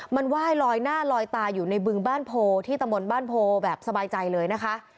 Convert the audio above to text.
มันไหว้ลอยหน้าลอยตาอยู่ในบึงบ้านโพที่ตะมนต์บ้านโพแบบสบายใจเลยนะคะ